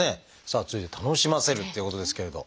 さあ続いて「楽しませる」っていうことですけれど。